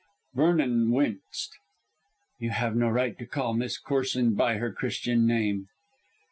Vernon winced. "You have no right to call Miss Corsoon by her Christian name."